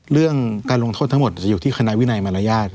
เรื่องการลงโทษทั้งหมดจะอยู่ที่คณะวินัยมารยาท